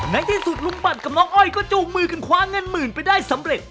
ในที่สุดลุงบัตรกับน้องอ้อยก็จูงมือกันคว้าเงินหมื่นไปได้สำเร็จ